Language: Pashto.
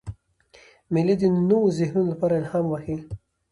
مېلې د نوو ذهنونو له پاره الهام بخښي.